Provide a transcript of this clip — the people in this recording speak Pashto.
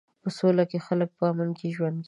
په سوله کې خلک په امن ژوند کوي.